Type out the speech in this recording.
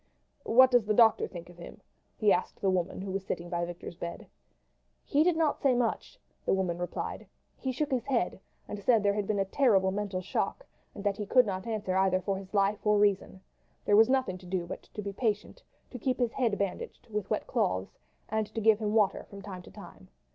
"What does the doctor think of him?" he asked the woman who was sitting by Victor's bed. "He did not say much," the woman replied. "He shook his head, and said there had been a terrible mental shock, and that he could not answer either for his life or reason. There was nothing to do but to be patient, to keep his head bandaged with wet cloths, and to give him water from time to time.